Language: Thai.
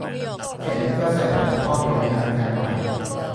จากนั้นก็ใส่ผงซักฟอกหรือน้ำยาล้างจานลงไป